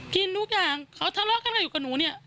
กินทุกอย่างเขาทะเลาะกันอะไรอยู่กับหนูเนี่ย